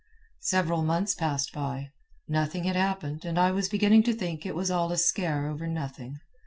"Several months passed by. Nothing had happened and I was beginning to think it all a scare over nothing.